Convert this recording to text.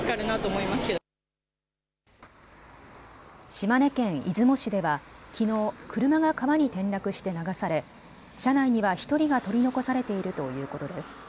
島根県出雲市ではきのう車が川に転落して流され車内には１人が取り残されているということです。